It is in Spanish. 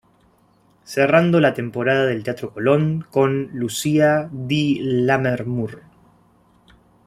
Cerrando la temporada del Teatro Colón con "Lucia di Lammermoor".